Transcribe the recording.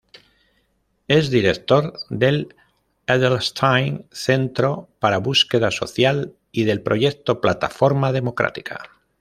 Es Director del Edelstein Centro para Búsqueda Social y del Proyecto "Plataforma Democrática".